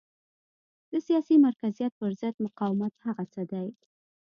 د سیاسي مرکزیت پرضد مقاومت هغه څه دي.